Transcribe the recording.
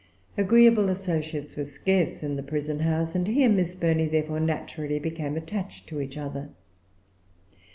Agreeable associates were scarce in the prison house, and he and Miss Burney therefore naturally became attached to each other.